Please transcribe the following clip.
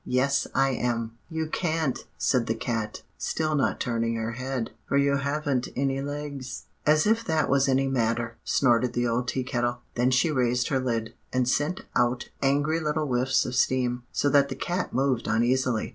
Yes I am.' "'You can't,' said the cat, still not turning her head; 'for you haven't any legs.' "'As if that was any matter,' snorted the old Tea Kettle. Then she raised her lid, and sent out angry little whiffs of steam, so that the cat moved uneasily.